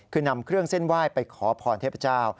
คือนำเครื่องเส้นไหว้ไปขอพรเทพเจ้า